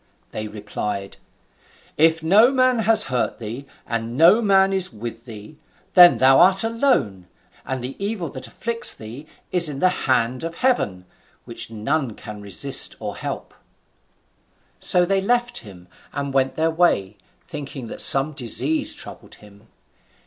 They replied, "If no man has hurt thee, and no man is with thee, then thou art alone, and the evil that afflicts thee is from the hand of Heaven, which none can resist or help." So they left him and went their way, thinking that some disease troubled him.